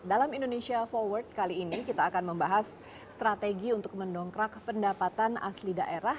dalam indonesia forward kali ini kita akan membahas strategi untuk mendongkrak pendapatan asli daerah